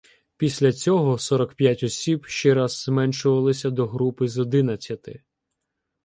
Після цього сорок п'ять осіб ще раз зменшувалися до групи з одинадцяти.